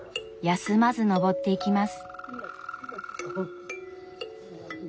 休まず上っていきます。